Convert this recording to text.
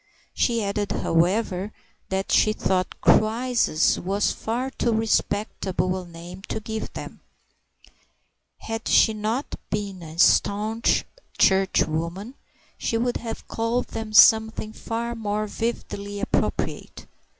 She added, however, that she thought "crisis" was far too respectable a name to give them; had she not been a staunch Churchwoman, she would have called them something far more vividly appropriate.